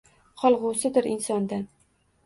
Qolg’usidir insondan.